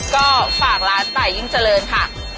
ก็ฝากร้านตายยิ่งเจริญค่ะ